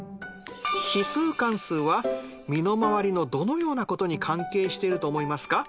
指数関数は身の回りのどのようなことに関係していると思いますか？